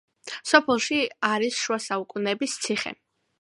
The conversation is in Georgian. სოფელში არის შუა საუკუნეების ციხე.